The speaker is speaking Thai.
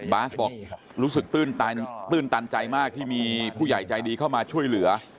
บาสบอกรู้สึกตื้นตันใจมากที่มีผู้ใหญ่ใจดีเข้ามาช่วยเหลือ